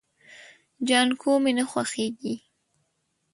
جانکو مې نه خوښيږي.